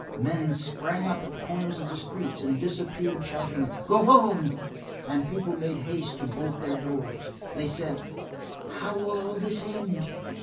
Men sprang up at the corners of the streets and disappeared, shouting: "Go home!" And people made haste to bolt their doors. They said: "How will all this end?"